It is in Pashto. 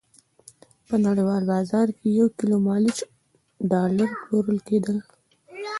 په نړیوال بازار کې یو کیلو مالوچ ډالر پلورل کېدل.